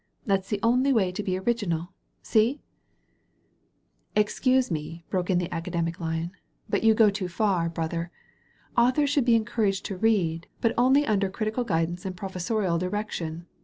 That's the only way to be original. See?" 228 DIANA AND THE LIONS "Excuse me," broke in the Academic lion, "but you go too far, brother. Authors should be en couraged to read, but only under critical guidance and professorial direction.